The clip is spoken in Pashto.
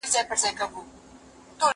ما پرون د سبا لپاره د يادښتونه بشپړ وکړ